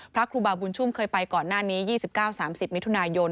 พระครูบาบุญชุ่มเคยไปก่อนหน้านี้๒๙๓๐มิถุนายน